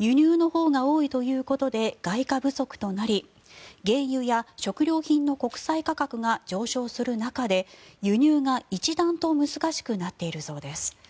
輸入のほうが多いということで外貨不足となり原油や食料品の国際価格が上昇する中で輸入が一段と難しくなっているそうです。